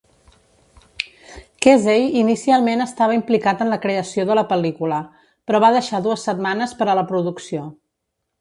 Kesey inicialment estava implicat en la creació de la pel·lícula, però va deixar dues setmanes per a la producció.